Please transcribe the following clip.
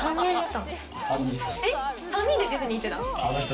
３人でディズニー行ってたん？